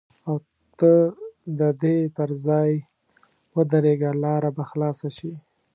او ته د دې پر ځای ودرېږه لاره به خلاصه شي.